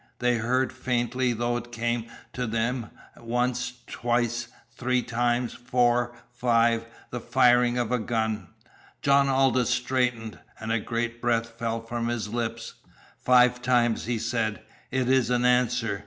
They heard, faintly though it came to them once, twice, three times, four, five the firing of a gun! John Aldous straightened, and a great breath fell from his lips. "Five times!" he said. "It is an answer.